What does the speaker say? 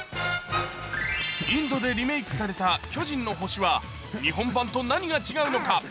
インドでリメークされた巨人の星は、日本版と何が違うのか。